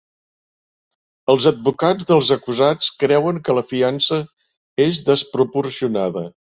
Els advocats dels acusats creuen que la fiança és desproporcionada